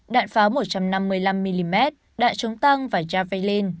đạn pháo một trăm năm mươi năm mm đạn chống tăng và javelin